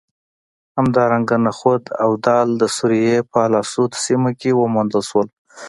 همدارنګه نخود او دال د سوریې په الاسود سیمه کې وموندل شول